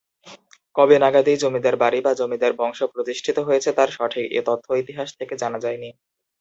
কবে নাগাদ এই জমিদার বাড়ি বা জমিদার বংশ প্রতিষ্ঠিত হয়েছে তার সঠিক তথ্য ইতিহাস থেকে জানা যায়নি।